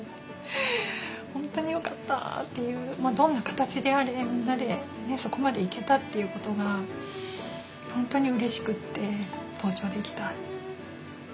本当によかったというどんな形であれみんなでそこまで行けたということが本当にうれしくて登頂できた。